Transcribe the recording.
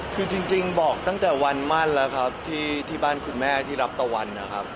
คือจริงบอกตั้งแต่วันมั่นแล้วครับที่บ้านคุณแม่ที่รับตะวันนะครับ